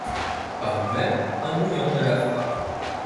Par lui-même un mouillant ne lave pas.